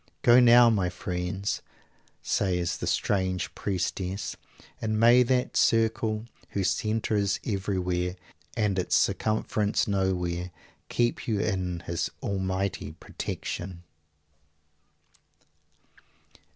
"Go now, my friends," says the strange Priestess, "and may that Circle whose Centre is everywhere and its Circumference nowhere, keep you in His Almighty protection!"